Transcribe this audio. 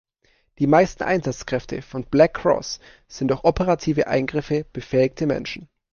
Die meisten Einsatzkräfte von Black Cross sind durch operative Eingriffe befähigte Menschen.